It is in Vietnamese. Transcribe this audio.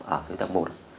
ở dưới tầng một